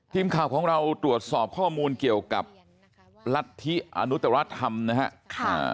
ทีมข่าวของเราตรวจสอบข้อมูลเกี่ยวกับรัฐธิอนุตรธรรมนะครับ